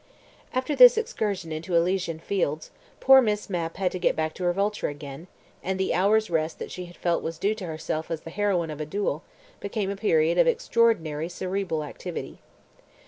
... After this excursion into Elysian fields, poor Miss Mapp had to get back to her vulture again, and the hour's rest that she had felt was due to herself as the heroine of a duel became a period of extraordinary cerebral activity.